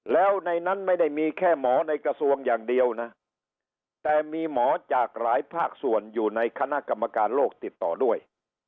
แล้วในนั้นไม่ได้มีแค่หมอในกระทรวงอย่างเดียวนะแต่มีหมอจากหลายภาคส่วนอยู่ในคณะกรรมการโลกติดต่อด้วย